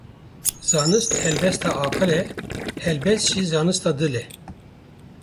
Zanist helbesta aqil e, helbest jî zanista dil e.